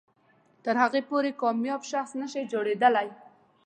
تر هغې پورې کامیاب شخص نه شئ جوړېدلی.